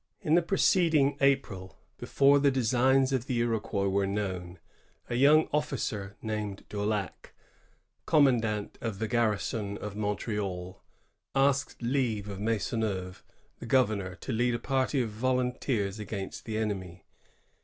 In the preceding April, before the designs of the Iroquois were known, a young officer named Daulac, commandant of the garrison of Montreal, asked leave of Maisonneuve, the governor, to lead a party of volunteers against the enemy.